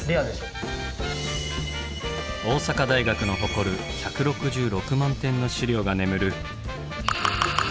大阪大学の誇る１６６万点の資料が眠る。